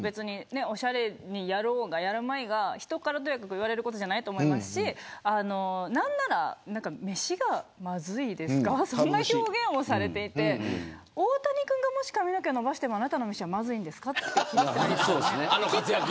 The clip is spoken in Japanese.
おしゃれにやろうがやらまいが人からとやかく言われることじゃないと思いますしなんなら飯がまずいですかそんな表現をされていて大谷君がもし髪の毛を伸ばしてもあなたの飯はまずいですかと聞きたいです。